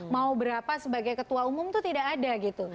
mau berapa sebagai ketua umum itu tidak ada gitu